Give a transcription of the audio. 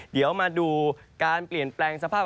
เดี๋ยวมาดูการเปลี่ยนแปลงสภาพ